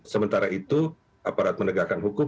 sementara itu aparat penegakan hukum